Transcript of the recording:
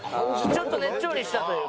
ちょっとねっちょりしたというか。